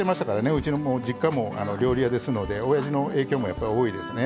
うちの実家も料理屋ですのでおやじの影響もやっぱり多いですね。